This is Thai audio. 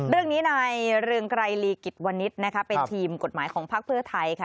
เรื่องนี้ในเรื่องไกรลีกิจวณิศเป็นทีมกฎหมายของภาคเตือไทย